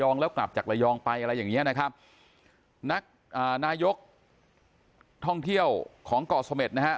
นักนายกท่องเที่ยวของเกาะสมมตินะฮะ